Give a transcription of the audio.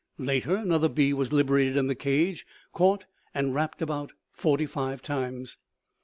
Later another bee was liberated in the cage, caught and wrapped about forty five times.